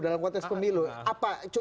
dalam konteks pemilu